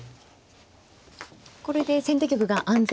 これで先手玉が安全なので。